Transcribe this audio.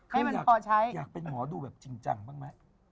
อยากเป็นหมอดูแบบจริงจังบ้างไหม